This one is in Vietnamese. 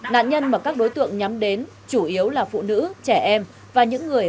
nạn nhân mà các đối tượng nhắm đến chủ yếu là phụ nữ trẻ em và những người